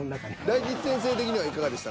大吉先生的にはいかがでしたか？